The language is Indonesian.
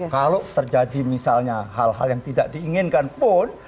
kalau terjadi misalnya hal hal yang tidak diinginkan pun